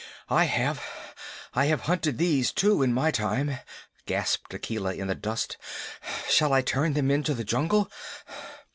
"I have have hunted these too in my time," gasped Akela in the dust. "Shall I turn them into the jungle?"